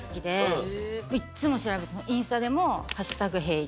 いっつも調べてインスタでも。